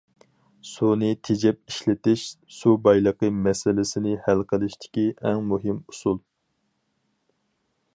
سۇنى تېجەپ ئىشلىتىش سۇ بايلىقى مەسىلىسىنى ھەل قىلىشتىكى ئەڭ مۇھىم ئۇسۇل.